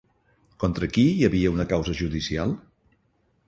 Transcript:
Contra qui hi havia una causa judicial?